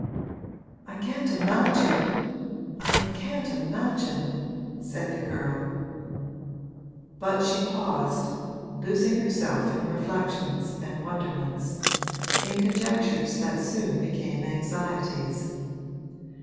'I can't imagine I can't imagine ' said the girl; but she paused, losing herself in reflections and wonderments, in conjectures that soon became anxieties.